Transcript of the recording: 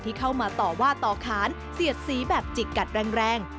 เข้ามาต่อว่าต่อขานเสียดสีแบบจิกกัดแรง